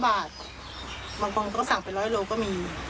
บางครั้งเขาสั่งไป๑๐๐โลก็มี